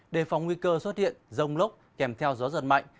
đề phòng nguy cơ xuất hiện rông lốc kèm theo gió giật mạnh